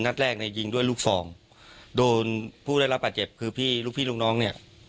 นัดแรกในยิงด้วยลูกฟองโดนผู้ได้รับบาดเจ็บคือพี่ลูกพี่ลูกน้องเนี่ย